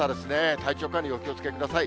体調管理、お気をつけください。